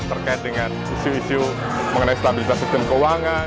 terkait dengan isu isu mengenai stabilitas sistem keuangan